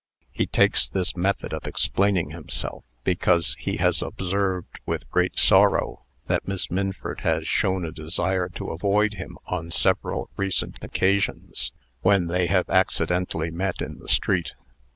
He takes this method of explaining himself, because he has observed with great sorrow that Miss Minford has shown a desire to avoid him on several recent occasions, when they have accidentally met in the street.